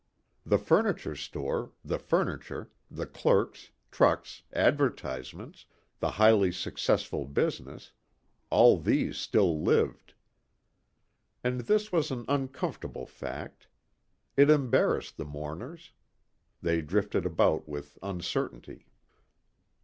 The furniture store, the furniture, the clerks, trucks, advertisements, the highly successful business all these still lived. And this was an uncomfortable fact. It embarrassed the mourners. They drifted about with uncertainty.